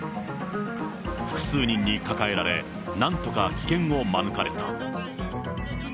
複数人に抱えられ、なんとか危険を免れた。